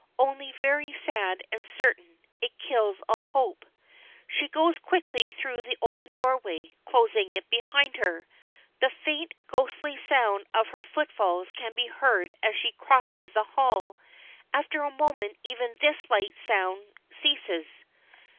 Only very sad and certain. It kills all hope. She goes quickly through the open doorway, closing it behind her. The faint, ghostly sound of her footfalls can be heard as she crosses the hall. After a moment even this light sound ceases.